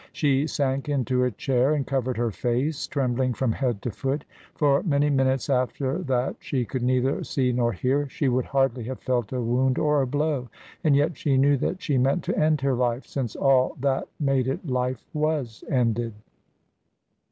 She sank into a chair and covered her face, trembling from head to foot. For many minutes after that she could neither see nor hear she would hardly have felt a wound or a blow. And yet she knew that she meant to end her life, since all that made it life was ended.